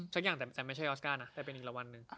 สักอย่างแต่ไม่ใช่ออสการ์นะแต่เป็นอีกรางวัลหนึ่ง